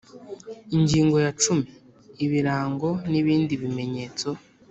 Ingingo ya cumi Ibirango n ibindi bimenyetso